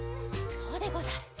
そうでござる。